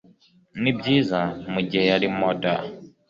Nibyiza: mugihe yari moda